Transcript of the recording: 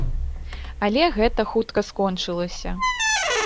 Але гэта хутка скончылася.